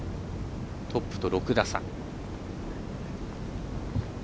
トップと６打差。